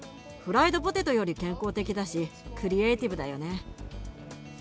フライドポテトより健康的だしクリエーティブだよね。